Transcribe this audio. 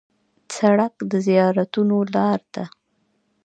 سړک د زیارتونو لار ده.